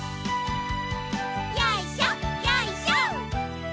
よいしょよいしょ。